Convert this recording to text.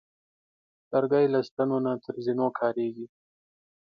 لرګی له ستنو نه تر زینو کارېږي.